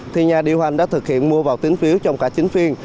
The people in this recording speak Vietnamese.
thì nhà điều hành đã thực hiện mua vào tính phiếu trong cả chính phiên